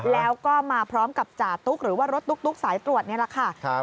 แล้วก็มาพร้อมกับจ่าตุ๊กหรือว่ารถตุ๊กสายตรวจนี่แหละค่ะ